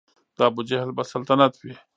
د ابوجهل به سلطنت وي